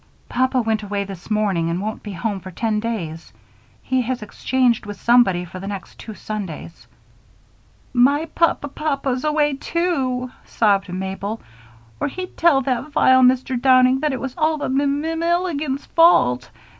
"Papa went away this morning and won't be home for ten days. He has exchanged with somebody for the next two Sundays." "My pa pa papa's away, too," sobbed Mabel, "or he'd tell that vile Mr. Downing that it was all the Mill ill igans' fault.